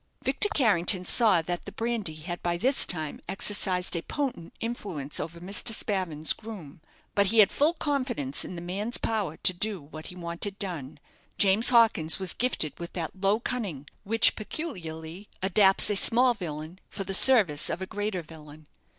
Victor Carrington saw that the brandy had by this time exercised a potent influence over Mr. Spavin's groom; but he had full confidence in the man's power to do what he wanted done. James Hawkins was gifted with that low cunning which peculiarly adapts a small villain for the service of a greater villain.